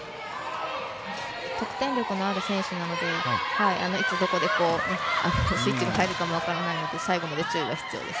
得点力がある選手なのでいつどこでスイッチが入るか分からないので最後まで注意が必要です。